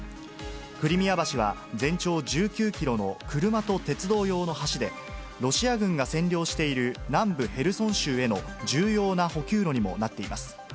クリミア橋は、全長１９キロの車と鉄道用の橋で、ロシア軍が占領している南部ヘルソン州への重要な補給路にもなっています。